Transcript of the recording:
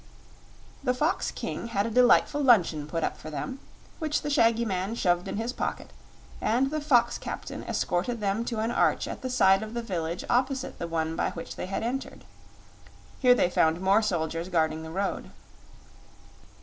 The Fox King had a delightful luncheon put up for them, which the shaggy man shoved in his pocket, and the fox captain escorted them to an arch at the side of the village opposite the one by which they had entered. Here they found more soldiers guarding the road.